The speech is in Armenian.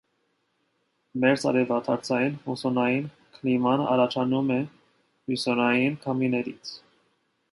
Մերձարևադարձային մուսսոնային կլիման առաջանում է մուսսոնային քամիներից։